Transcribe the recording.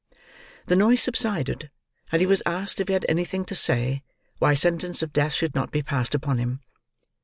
The noise subsided, and he was asked if he had anything to say why sentence of death should not be passed upon him.